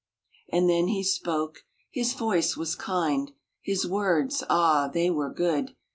And then he spoke. His voice was kind, His words ah, they were good.